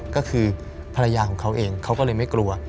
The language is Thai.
ก็คือภรรยาของเขาเองเขาก็เลยไม่กลัว